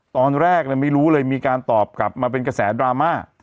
ตอนแรกไม่รู้เลยมีการตอบกลับมาเป็นกระแสดราม่า